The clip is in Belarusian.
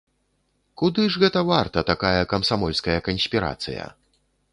Куды ж гэта варта такая камсамольская канспірацыя!